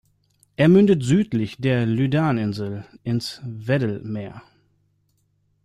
Er mündet südlich der Lyddan-Insel ins Weddell-Meer.